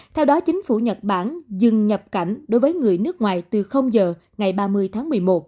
theo đó chính phủ nhật bản dừng nhập cảnh đối với người nước ngoài từ giờ ngày ba mươi tháng một mươi một